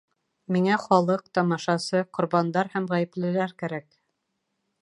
Миңә халыҡ, тамашасы, ҡорбандар һәм ғәйеплелеләр кәрәк!